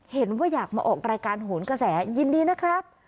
อยากมาออกรายการโหนกระแสยินดีนะครับ